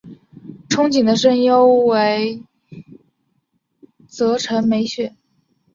憧憬的声优为泽城美雪。